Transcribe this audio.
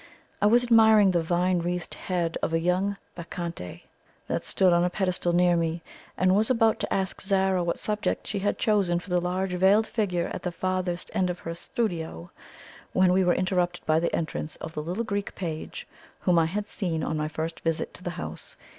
I was admiring the vine wreathed head of a young Bacchante that stood on a pedestal near me, and was about to ask Zara what subject she had chosen for the large veiled figure at the farthest end of her studio, when we were interrupted by the entrance of the little Greek page whom I had seen on my first visit to the house.